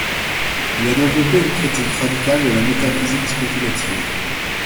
Il a développé une critique radicale de la métaphysique spéculative.